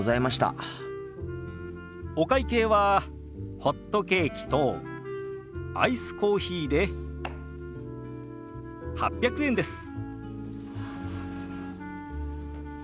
お会計はホットケーキとアイスコーヒーで８００円です。